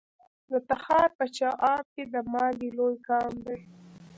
د تخار په چاه اب کې د مالګې لوی کان دی.